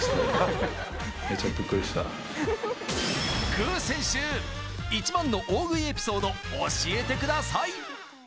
具選手、イチバンの大食いエピソード、教えてください。